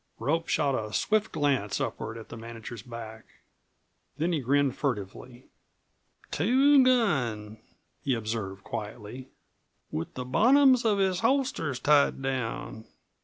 Rope shot a swift glance upward at the manager's back. Then he grinned furtively. "Two gun," he observed quietly; "with the bottoms of his holsters tied down.